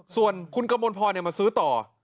ส่วนคุณกมลพรมาซื้อต่อ